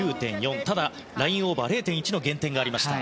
ただ、ラインオーバー０．１の減点がありました。